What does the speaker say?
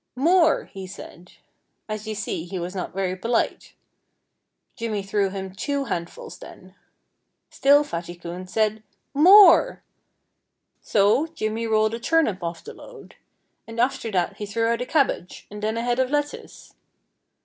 "More!" he said. As you see, he was not very polite. Jimmy threw him two handfuls then. Still Fatty Coon said "More!" So Jimmy rolled a turnip off the load. And after that he threw out a cabbage, and then a head of lettuce. "More!